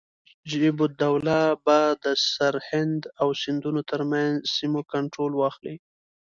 نجیب الدوله به د سرهند او سیندونو ترمنځ سیمو کنټرول واخلي.